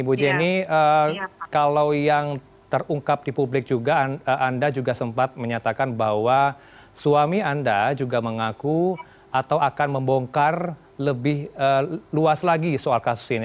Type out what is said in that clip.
ibu jenny kalau yang terungkap di publik juga anda juga sempat menyatakan bahwa suami anda juga mengaku atau akan membongkar lebih luas lagi soal kasus ini